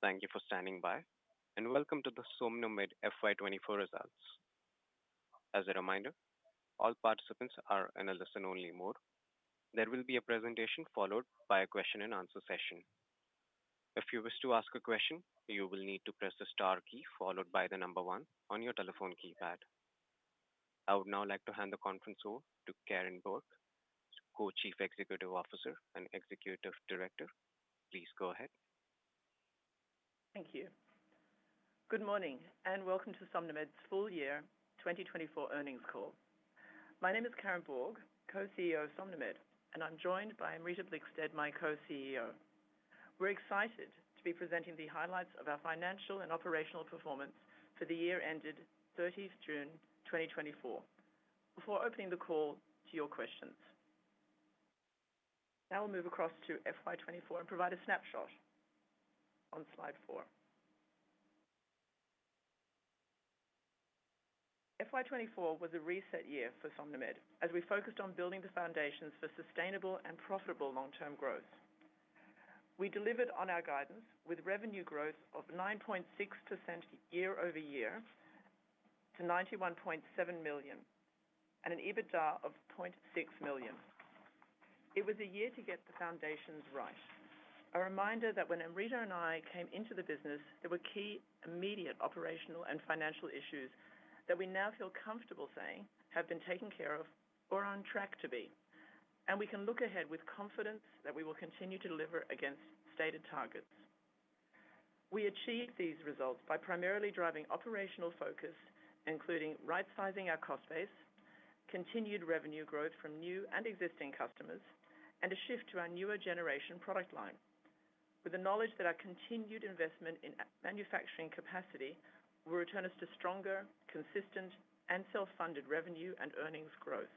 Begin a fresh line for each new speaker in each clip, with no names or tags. Thank you for standing by, and welcome to the SomnoMed FY 2024 results. As a reminder, all participants are in a listen-only mode. There will be a presentation followed by a question-and-answer session. If you wish to ask a question, you will need to press the star key followed by the number one on your telephone keypad. I would now like to hand the conference over to Karen Borg, Co-Chief Executive Officer and Executive Director. Please go ahead.
Thank you. Good morning, and welcome to SomnoMed's full year 2024 earnings call. My name is Karen Borg, Co-CEO of SomnoMed, and I'm joined by Amrita Blickstead, my Co-CEO. We're excited to be presenting the highlights of our financial and operational performance for the year ended thirtieth June 2024, before opening the call to your questions. Now we'll move across to FY 2024 and provide a snapshot on slide four. FY 2024 was a reset year for SomnoMed, as we focused on building the foundations for sustainable and profitable long-term growth. We delivered on our guidance with revenue growth of 9.6% year-over-year to 91.7 million and an EBITDA of 0.6 million. It was a year to get the foundations right. A reminder that when Amrita and I came into the business, there were key immediate operational and financial issues that we now feel comfortable saying have been taken care of or are on track to be. And we can look ahead with confidence that we will continue to deliver against stated targets. We achieved these results by primarily driving operational focus, including right-sizing our cost base, continued revenue growth from new and existing customers, and a shift to our newer generation product line. With the knowledge that our continued investment in a manufacturing capacity will return us to stronger, consistent, and self-funded revenue and earnings growth.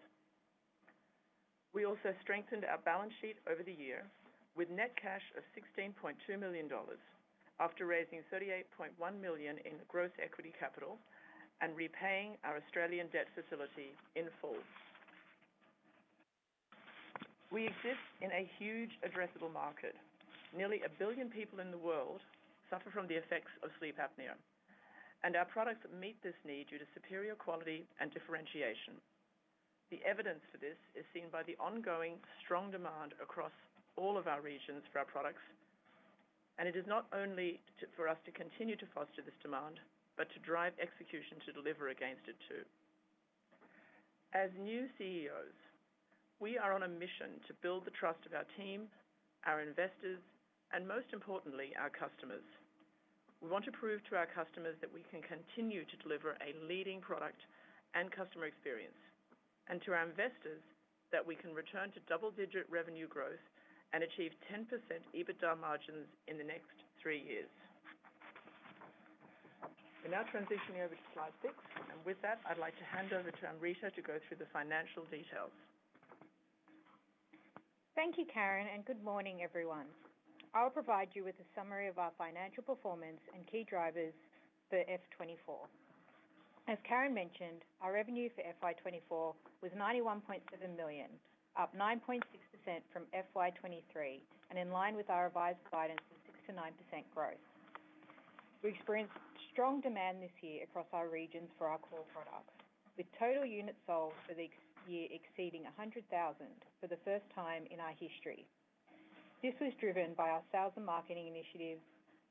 We also strengthened our balance sheet over the year with net cash of 16.2 million dollars, after raising 38.1 million in gross equity capital and repaying our Australian debt facility in full. We exist in a huge addressable market. Nearly a billion people in the world suffer from the effects of sleep apnea, and our products meet this need due to superior quality and differentiation. The evidence for this is seen by the ongoing strong demand across all of our regions for our products, and it is not only for us to continue to foster this demand, but to drive execution to deliver against it, too. As new CEOs, we are on a mission to build the trust of our team, our investors, and most importantly, our customers. We want to prove to our customers that we can continue to deliver a leading product and customer experience, and to our investors that we can return to double-digit revenue growth and achieve 10% EBITDA margins in the next three years. We're now transitioning over to slide six, and with that, I'd like to hand over to Amrita to go through the financial details.
Thank you, Karen, and good morning, everyone. I'll provide you with a summary of our financial performance and key drivers for FY 2024. As Karen mentioned, our revenue for FY 2024 was 91.7 million, up 9.6% from FY 2023, and in line with our revised guidance of 6%-9% growth. We experienced strong demand this year across our regions for our core products, with total units sold for the year exceeding 100,000 for the first time in our history. This was driven by our sales and marketing initiatives,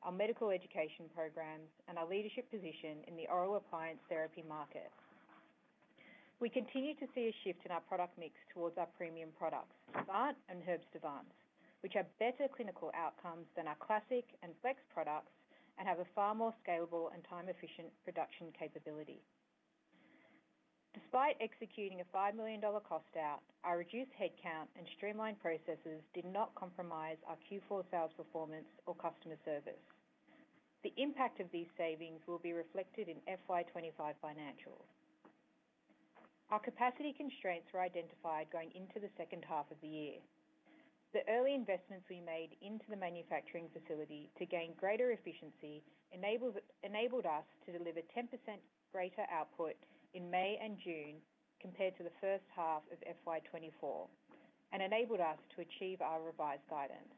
our medical education programs, and our leadership position in the oral appliance therapy market. We continue to see a shift in our product mix towards our premium products, Avant and Herbst Avant, which have better clinical outcomes than our Classic and Flex products and have a far more scalable and time-efficient production capability. Despite executing a 5 million dollar cost out, our reduced headcount and streamlined processes did not compromise our Q4 sales performance or customer service. The impact of these savings will be reflected in FY 2025 financials. Our capacity constraints were identified going into the second half of the year. The early investments we made into the manufacturing facility to gain greater efficiency enabled us to deliver 10% greater output in May and June compared to the first half of FY 2024, and enabled us to achieve our revised guidance.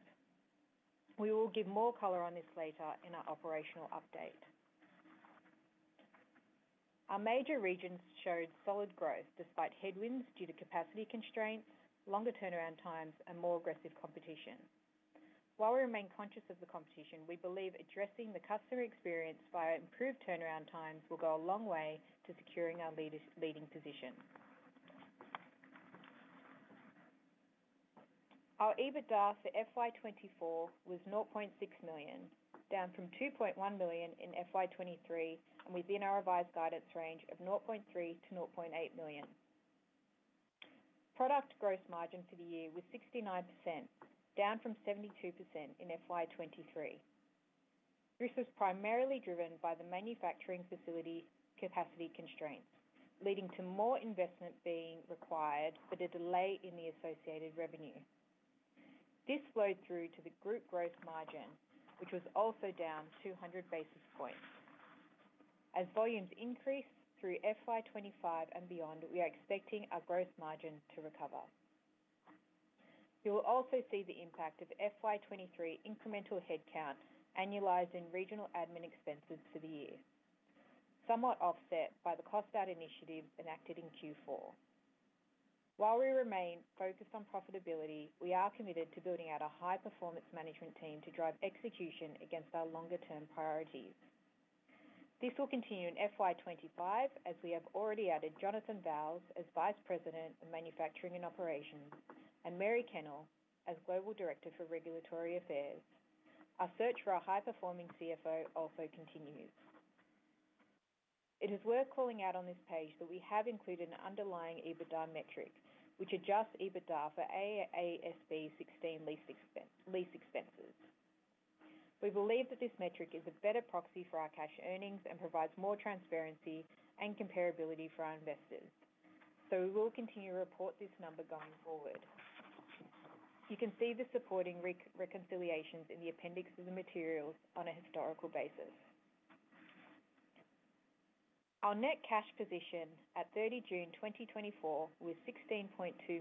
We will give more color on this later in our operational update. Our major regions showed solid growth despite headwinds due to capacity constraints, longer turnaround times, and more aggressive competition. While we remain conscious of the competition, we believe addressing the customer experience via improved turnaround times will go a long way to securing our leading position. Our EBITDA for FY 2024 was 0.6 million, down from 2.1 million in FY 2023, and within our revised guidance range of 0.3-0.8 million. Product gross margin for the year was 69%, down from 72% in FY 2023. This was primarily driven by the manufacturing facility capacity constraints, leading to more investment being required but a delay in the associated revenue. This flowed through to the group gross margin, which was also down 200 basis points. As volumes increase through FY 2025 and beyond, we are expecting our gross margin to recover. You will also see the impact of FY 2023 incremental headcount, annualized in regional admin expenses for the year, somewhat offset by the cost out initiative enacted in Q4. While we remain focused on profitability, we are committed to building out a high-performance management team to drive execution against our longer-term priorities. This will continue in FY 2025, as we have already added Jonathan Vowles as Vice President of Manufacturing and Operations, and Mary Kennell as Global Director for Regulatory Affairs. Our search for our high-performing CFO also continues. It is worth calling out on this page that we have included an underlying EBITDA metric, which adjusts EBITDA for AASB 16 lease expenses. We believe that this metric is a better proxy for our cash earnings and provides more transparency and comparability for our investors, so we will continue to report this number going forward. You can see the supporting reconciliation in the appendix of the materials on a historical basis. Our net cash position at 30 June 2024 was 16.2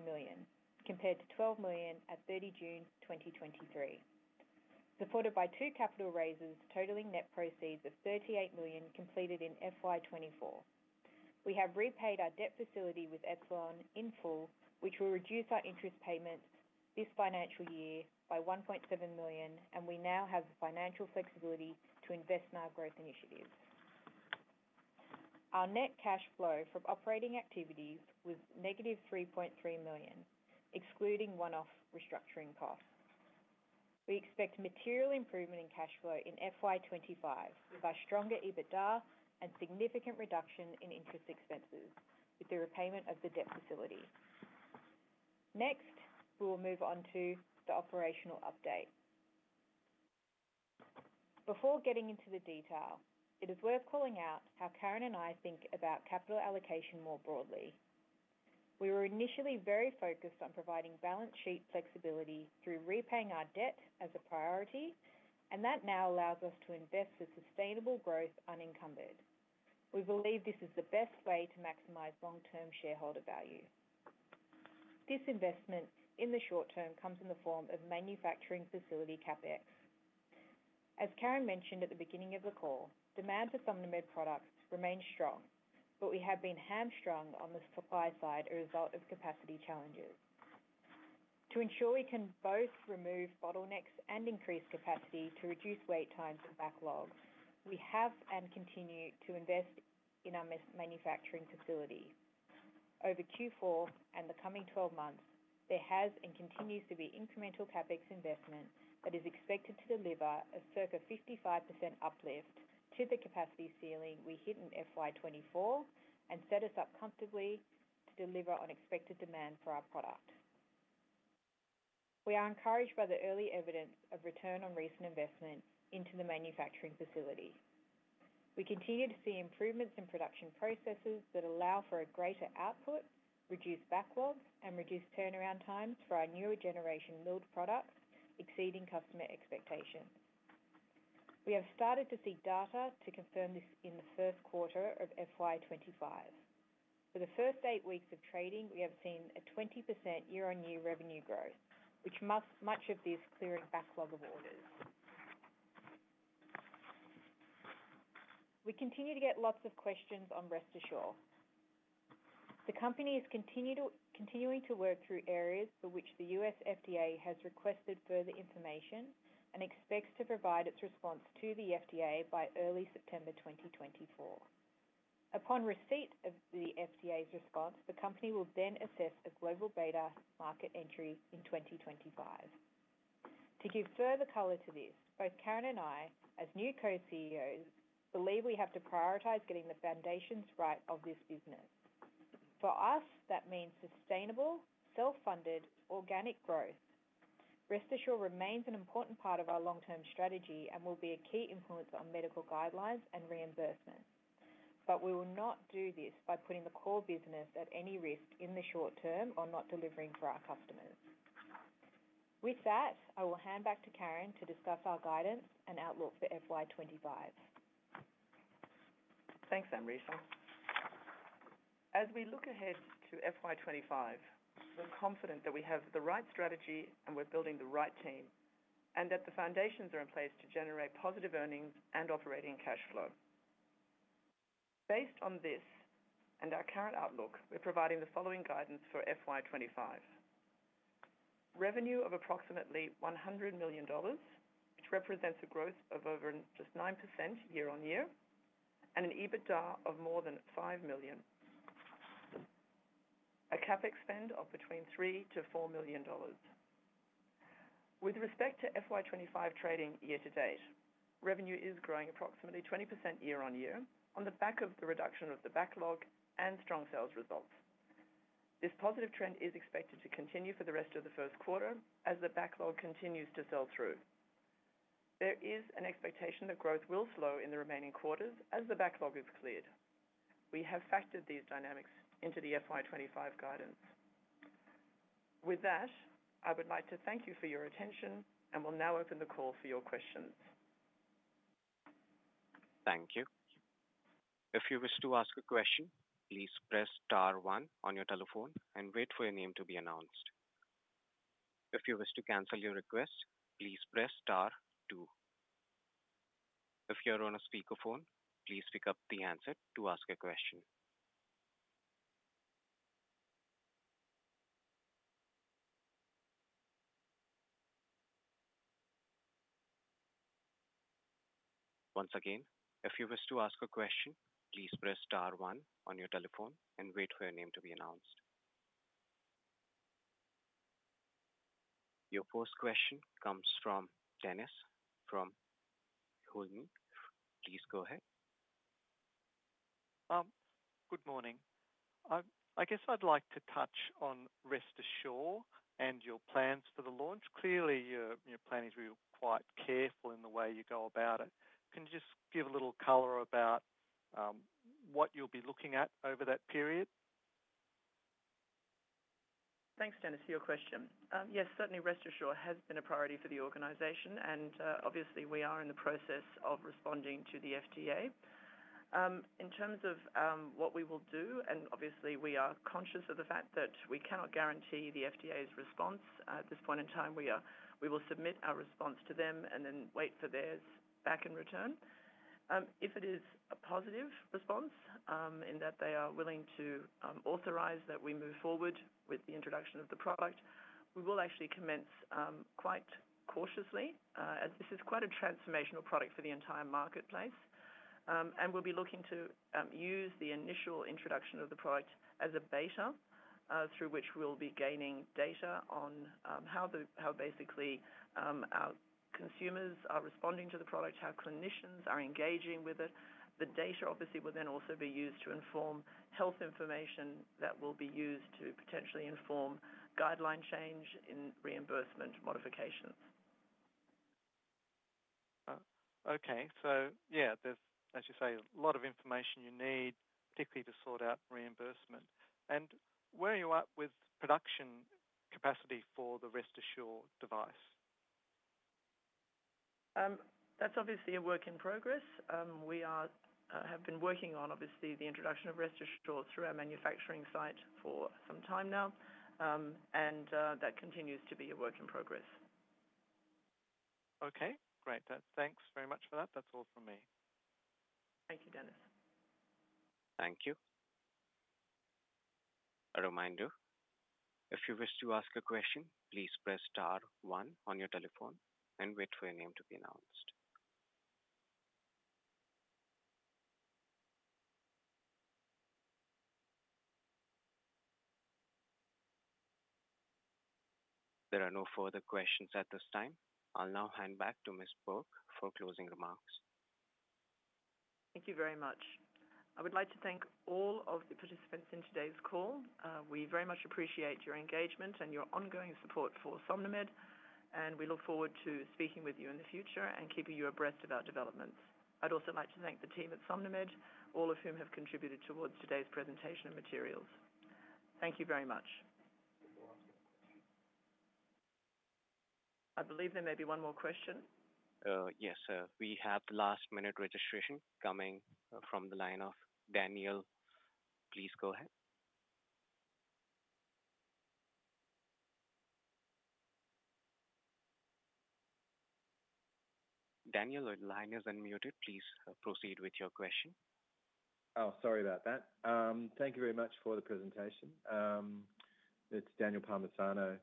million, compared to 12 million at 30 June 2023, supported by two capital raises totaling net proceeds of 38 million completed in FY 2024. We have repaid our debt facility with Epsilon Direct Lending in full, which will reduce our interest payments this financial year by 1.7 million, and we now have the financial flexibility to invest in our growth initiatives. Our net cash flow from operating activities was negative 3.3 million, excluding one-off restructuring costs. We expect material improvement in cash flow in FY 2025 by stronger EBITDA and significant reduction in interest expenses with the repayment of the debt facility. Next, we will move on to the operational update. Before getting into the detail, it is worth calling out how Karen and I think about capital allocation more broadly. We were initially very focused on providing balance sheet flexibility through repaying our debt as a priority, and that now allows us to invest for sustainable growth unencumbered. We believe this is the best way to maximize long-term shareholder value. This investment, in the short term, comes in the form of manufacturing facility CapEx. As Karen mentioned at the beginning of the call, demand for SomnoMed products remains strong, but we have been hamstrung on the supply side, a result of capacity challenges. To ensure we can both remove bottlenecks and increase capacity to reduce wait times and backlogs, we have and continue to invest in our manufacturing facility. Over Q4 and the coming twelve months, there has and continues to be incremental CapEx investment that is expected to deliver a circa 55% uplift to the capacity ceiling we hit in FY 2024 and set us up comfortably to deliver on expected demand for our product. We are encouraged by the early evidence of return on recent investment into the manufacturing facility. We continue to see improvements in production processes that allow for a greater output, reduce backlogs, and reduce turnaround times for our newer generation milled products, exceeding customer expectations. We have started to see data to confirm this in the first quarter of FY 2025. For the first eight weeks of trading, we have seen a 20% year-on-year revenue growth, which much of this clearing backlog of orders. We continue to get lots of questions on Rest Assure. The company is continuing to work through areas for which the U.S. FDA has requested further information, and expects to provide its response to the FDA by early September 2024. Upon receipt of the FDA's response, the company will then assess a global beta market entry in 2025. To give further color to this, both Karen and I, as new co-CEOs, believe we have to prioritize getting the foundations right of this business. For us, that means sustainable, self-funded, organic growth. Rest Assure remains an important part of our long-term strategy and will be a key influencer on medical guidelines and reimbursement. But we will not do this by putting the core business at any risk in the short term or not delivering for our customers. With that, I will hand back to Karen to discuss our guidance and outlook for FY 2025.
Thanks, Amrita. As we look ahead to FY 2025, we're confident that we have the right strategy, and we're building the right team, and that the foundations are in place to generate positive earnings and operating cash flow. Based on this and our current outlook, we're providing the following guidance for FY 2025. Revenue of approximately 100 million dollars, which represents a growth of over just 9% year on year, and an EBITDA of more than 5 million. A CapEx spend of between 3 million to 4 million dollars. With respect to FY 2025 trading year to date, revenue is growing approximately 20% year on year on the back of the reduction of the backlog and strong sales results. This positive trend is expected to continue for the rest of the first quarter as the backlog continues to sell through. There is an expectation that growth will slow in the remaining quarters as the backlog is cleared. We have factored these dynamics into the FY 2025 guidance.... With that, I would like to thank you for your attention and will now open the call for your questions.
Thank you. If you wish to ask a question, please press star one on your telephone and wait for your name to be announced. If you wish to cancel your request, please press star two. If you're on a speakerphone, please pick up the handset to ask a question. Once again, if you wish to ask a question, please press star one on your telephone and wait for your name to be announced. Your first question comes from Dennis Hulme. Please go ahead. Good morning. I guess I'd like to touch on Rest Assure and your plans for the launch. Clearly, your planning is really quite careful in the way you go about it. Can you just give a little color about what you'll be looking at over that period?
Thanks, Dennis, for your question. Yes, certainly Rest Assure has been a priority for the organization, and obviously we are in the process of responding to the FDA. In terms of what we will do, and obviously, we are conscious of the fact that we cannot guarantee the FDA's response at this point in time. We will submit our response to them and then wait for theirs back in return. If it is a positive response, in that they are willing to authorize that we move forward with the introduction of the product, we will actually commence quite cautiously, as this is quite a transformational product for the entire marketplace. And we'll be looking to use the initial introduction of the product as a beta, through which we'll be gaining data on how basically our consumers are responding to the product, how clinicians are engaging with it. The data obviously will then also be used to inform health information that will be used to potentially inform guideline change in reimbursement modifications. Okay. So yeah, there's, as you say, a lot of information you need, particularly to sort out reimbursement. And where are you at with production capacity for the Rest Assure device? That's obviously a work in progress. We have been working on, obviously, the introduction of Rest Assure through our manufacturing site for some time now, and that continues to be a work in progress. Okay, great. Thanks very much for that. That's all from me. Thank you, Dennis.
Thank you. A reminder, if you wish to ask a question, please press star one on your telephone and wait for your name to be announced. There are no further questions at this time. I'll now hand back to Ms. Borg for closing remarks.
Thank you very much. I would like to thank all of the participants in today's call. We very much appreciate your engagement and your ongoing support for SomnoMed, and we look forward to speaking with you in the future and keeping you abreast of our developments. I'd also like to thank the team at SomnoMed, all of whom have contributed towards today's presentation and materials. Thank you very much. I believe there may be one more question.
Yes, we have the last-minute registration coming from the line of Daniel. Please go ahead. Daniel, your line is unmuted. Please proceed with your question. Oh, sorry about that. Thank you very much for the presentation. It's Daniel Palmisano.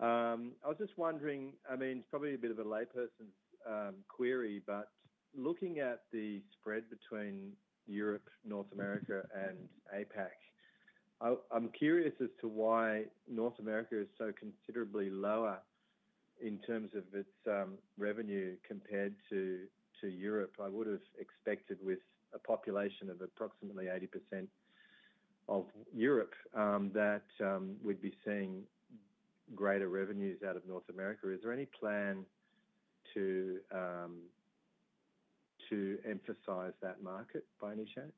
I was just wondering, I mean, it's probably a bit of a layperson's query, but looking at the spread between Europe, North America, and APAC, I'm curious as to why North America is so considerably lower in terms of its revenue compared to Europe. I would have expected with a population of approximately 80% of Europe, that we'd be seeing greater revenues out of North America. Is there any plan to emphasize that market by any chance?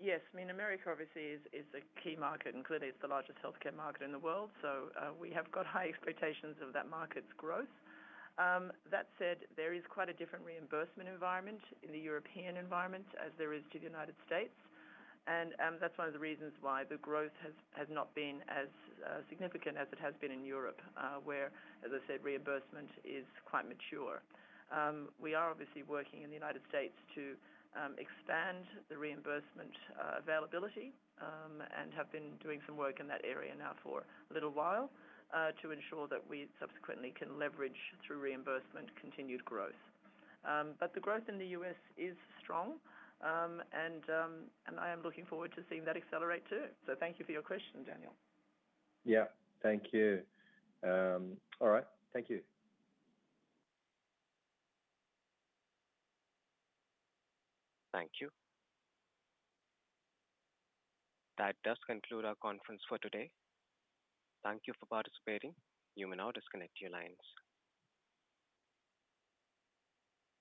Yes. I mean, America obviously is a key market, and clearly it's the largest healthcare market in the world, so we have got high expectations of that market's growth. That said, there is quite a different reimbursement environment in the European environment as there is to the United States, and that's one of the reasons why the growth has not been as significant as it has been in Europe, where, as I said, reimbursement is quite mature. We are obviously working in the United States to expand the reimbursement availability, and have been doing some work in that area now for a little while to ensure that we subsequently can leverage, through reimbursement, continued growth. But the growth in the U.S. is strong, and I am looking forward to seeing that accelerate, too. So thank you for your question, Daniel. Yeah. Thank you. All right. Thank you.
Thank you. That does conclude our conference for today. Thank you for participating. You may now disconnect your lines.